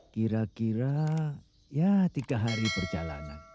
kira kira ya tiga hari perjalanan